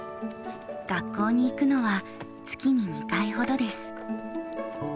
学校に行くのは月に２回ほどです。